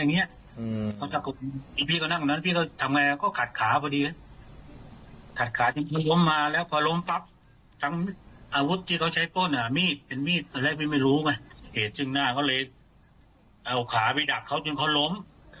เหตุจึงหน้าเขาเลยเอาขาทางกะแนะจากกับขาจะล้ม